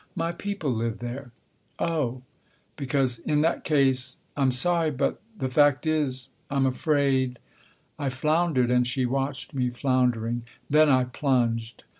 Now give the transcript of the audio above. " My people live there." " Oh ! Because in that case I'm sorry but the fact is, I'm afraid " I floundered, and she watched me floundering. Then I plunged.